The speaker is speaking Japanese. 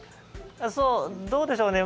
どうでしょうね